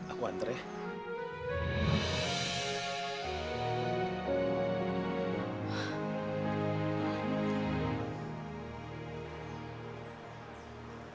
aku antar ya